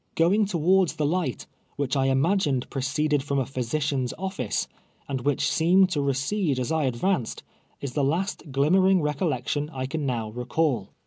Going towards the light, which I imagined proceed ed from a physician's office, and which seemed tore cede as I advanced, is the last glimmering recollec tion I can now recall.